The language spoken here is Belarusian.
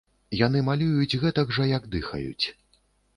Яны малююць гэтак жа як дыхаюць.